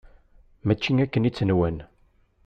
Mačči akken i tt-nwan.